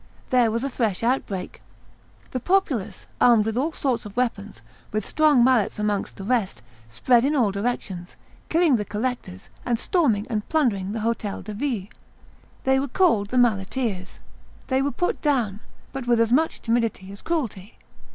There was a fresh outbreak. The populace, armed with all sorts of weapons, with strong mallets amongst the rest, spread in all directions, killing the collectors, and storming and plundering the Hotel de Ville. They were called the Malleteers. They were put down, but with as much timidity as cruelty.